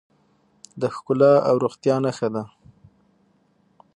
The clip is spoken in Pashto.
د ښکلا او روغتیا نښه ده.